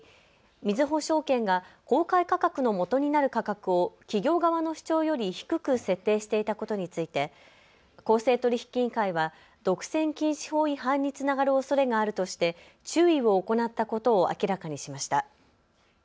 みずほ証券が公開価格のもとになる価格を企業側の主張より低く設定していたことについて公正取引委員会は独占禁止法違反につながるおそれがあるとして注意を行ったことを明らかにしました。